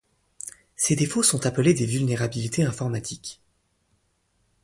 Ces défauts sont appelés des vulnérabilités informatiques.